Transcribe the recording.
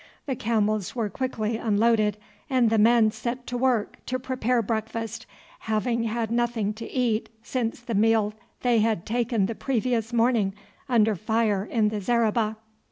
The camels were quickly unloaded, and the men set to work to prepare breakfast, having had nothing to eat since the meal they had taken the previous morning under fire in the zareba.